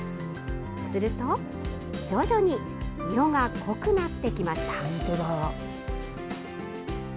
すると徐々に色が濃くなってきました。